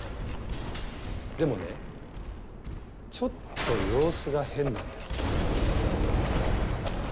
でもねちょっと様子が変なんです。